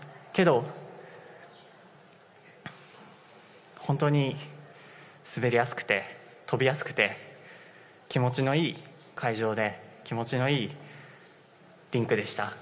けど、本当に滑りやすくて、跳びやすくて、気持ちのいい会場で、気持ちのいいリンクでした。